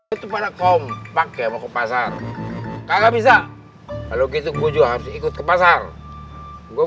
itu pada kompak ya mau ke pasar nggak bisa kalau gitu gue juga harus ikut ke pasar gua